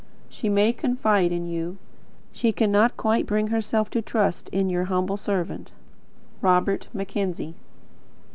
She may confide in you. She cannot quite bring herself to trust in Your humble servant, Robert Mackenzie.